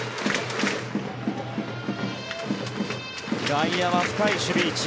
外野は深い守備位置。